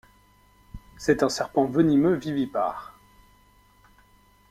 C'est un serpent venimeux vivipare.